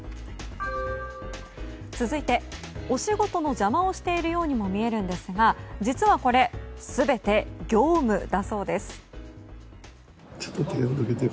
続いてお仕事の邪魔をしているようにも見えるんですが実はこれ、全て業務だそうです。